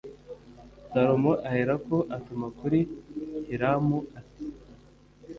Salomo aherako atuma kuri Hiramu ati